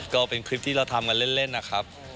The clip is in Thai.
ก็เป็นคลิปที่เราทำกันเล่นนะครับ